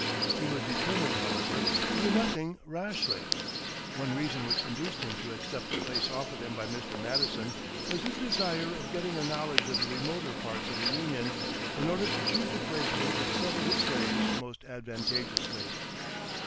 He was determined, however, to do nothing rashly. One reason which induced him to accept the place offered him by Mr. Madison was his desire of getting a knowledge of the remoter parts of the Union, in order to choose the place where he could settle his slaves most advantageously.